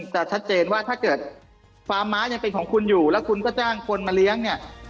แต่ชัดเจนว่าถ้าเกิดฟาร์มม้ายังเป็นของคุณอยู่แล้วคุณก็จ้างคนมาเลี้ยงเนี่ย